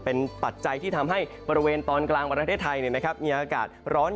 เป็นปัจจัยที่ทำให้บริเวณตอนกลางประเทศไทยมีอากาศร้อน